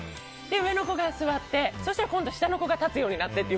上の子が座って、今度下の子が立つようになってって。